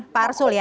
pak arsul ya